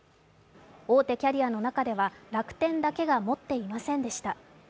大手キャリアの中では楽天だけが持っていませんでした。